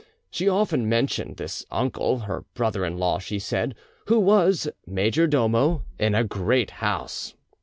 She often mentioned this uncle, her brother in law, she said, who was major domo in a great house.